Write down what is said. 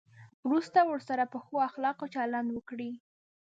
وروسته ورسره په ښو اخلاقو چلند وکړئ.